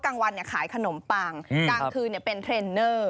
กลางวันขายขนมปังกลางคืนเป็นเทรนเนอร์